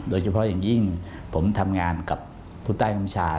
โดยเฉพาะอย่างยิ่งผมทำงานกับผู้ใต้บัญชา